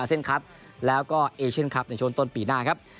อาเซนครับแล้วก็เอเชนครับในชวนต้นปีหน้าครับ